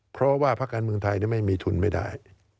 เพราะว่าภาคการเมืองไทยไม่มีทุนไม่ได้